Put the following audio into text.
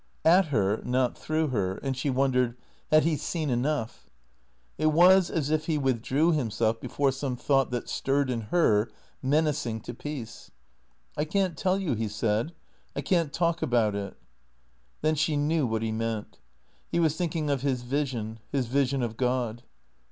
At her, not through her, and she wondered, had he seen enough ? It was as if he withdrew himself before some thought that stirred in her, men acing to peace. " I can't tell you," he said. " I can't talk about it." Then she knew what he meant. He was thinking of his vision, his vision of God.